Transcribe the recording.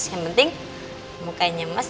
yang penting mukanya mas